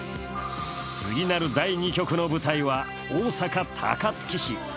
次なる第２局の舞台は大阪・高槻市。